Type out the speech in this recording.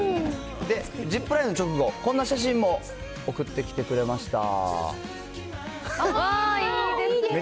で、ジップラインの直後、こんな写真も送ってきてくれました。